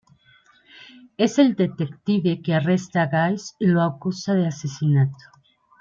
Es el detective que arresta a Guys y lo acusa de asesinato.